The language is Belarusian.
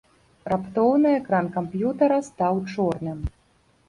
Раптоўна экран камп'ютара стаў чорным.